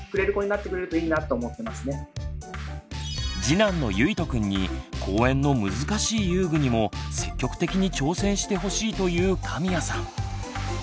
次男のゆいとくんに公園の難しい遊具にも積極的に挑戦してほしいという神谷さん。